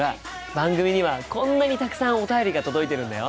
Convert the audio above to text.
番組にはこんなにたくさんお便りが届いているんだよ。